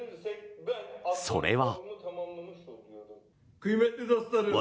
それは。